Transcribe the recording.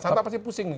sampai pasti pusing nih